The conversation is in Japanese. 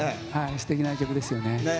すてきな曲ですよね。